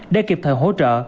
để kịp thời hỗ trợ